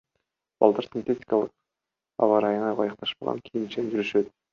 Балдар синтетикалык, аба ырайына ылайыкташпаган кийимчен жүрүшөт.